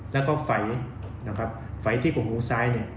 และฝัยนะครับฝัยที่กระหมูซ้ายเนี่ยครับ